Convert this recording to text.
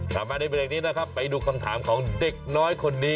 ถามอันนี้เป็นแบบนี้นะครับไปดูคำถามของเด็กน้อยคนนี้